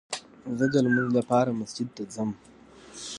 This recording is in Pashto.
زه دلمونځ لپاره مسجد ته ځم